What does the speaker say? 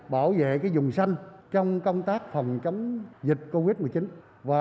bảo vệ vùng xanh trong công tác phòng chống dịch covid một mươi chín